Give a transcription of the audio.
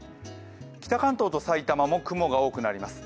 北関東と埼玉も雲が多くなります。